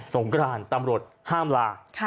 สงกรานตำรถห้ามหลา